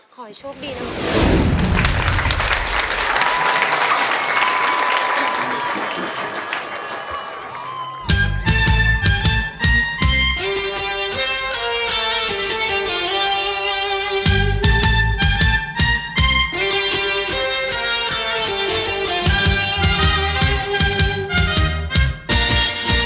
ขอให้โชคดีนะครับ